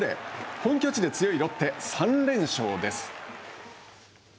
本拠地で強いロッテ３連勝です。